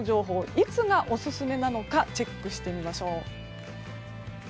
いつがオススメなのかチェックしてみましょう。